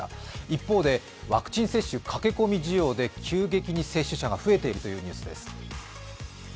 一方で、ワクチン接種駆け込み需要で急激に接種者が増えているというニュースです。